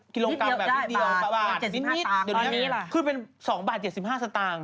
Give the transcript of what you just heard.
กิโลกรัมแบบนิดเดียวประมาณนิดนิดตอนนี้ล่ะขึ้นเป็น๒บาท๗๕สตางค์